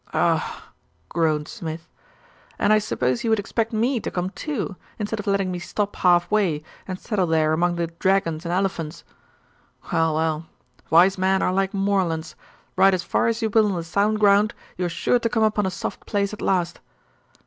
'Oh!' groaned Smid. 'And I suppose you would expect me to come too, instead of letting me stop halfway, and settle there among the dragons and elephants. Well, well, wise men are like moorlands ride as far as you will on the sound ground, you are sure to come upon a soft place at last.